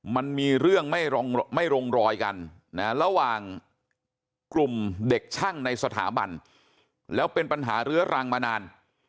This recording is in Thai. มันมีเรื่องไม่ลงรอยกันระหว่างกลุ่มเด็กช่างในสถาบันแล้วเป็นปัญหาเรื้อรังมานาน